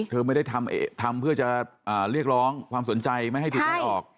เธอไม่ได้ทำเพื่อจะเรียกร้องความสนใจไม่ให้ถูกไล่ออก